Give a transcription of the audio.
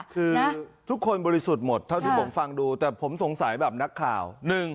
คือทุกคนบริสุทธิ์หมดเท่าที่ผมฟังดูแต่ผมสงสัยแบบนักข่าว